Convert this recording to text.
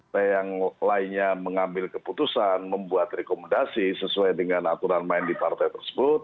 nah yang lainnya mengambil keputusan membuat rekomendasi sesuai dengan aturan main di partai tersebut